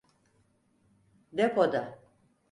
Depoda.